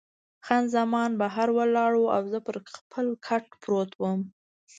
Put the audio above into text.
خان زمان بهر ولاړه او زه پر خپل کټ پروت وم.